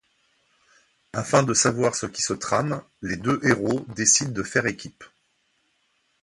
Afin de savoir ce qui se trame les deux héros décident de faire équipe.